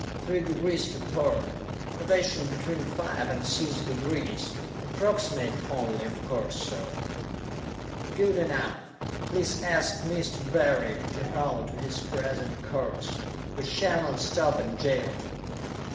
Three degrees to port; elevation between five and six degrees. Approximate only, of course, sir." "Good enough. Please ask Mr. Barry to hold to his present course. We shall not stop at Jaron."